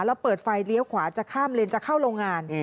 แล้วเปิดไฟเลี้ยวขวาจะข้ามเลนจะเข้าโรงงาน